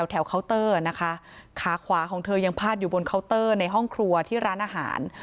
เคาน์เตอร์นะคะขาขวาของเธอยังพาดอยู่บนเคาน์เตอร์ในห้องครัวที่ร้านอาหาร